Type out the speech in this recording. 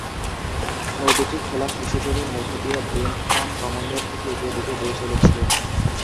নদীটি খোলা কৃষিজমির মধ্য দিয়ে ব্রিম্পটন কমনের দিকে এঁকেবেঁকে বয়ে চলেছে।